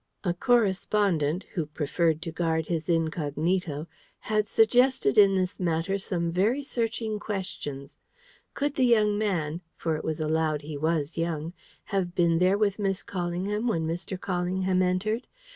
A correspondent (who preferred to guard his incognito) had suggested in this matter some very searching questions: Could the young man for it was allowed he was young have been there with Miss Callingham when Mr. Callingham entered?